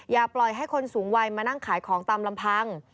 อย่าปล่อยให้คนสูงวัยมานั่งขายของตามลำพัง